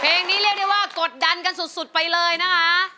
เพลงนี้เรียกได้ว่ากดดันกันสุดไปเลยนะคะ